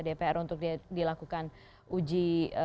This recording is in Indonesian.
dpr untuk dilakukan uji